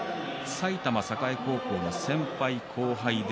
埼玉栄高校の先輩後輩です。